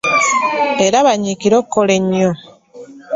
Era banyiikire okukola ennyo.